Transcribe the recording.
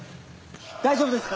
大丈夫ですか？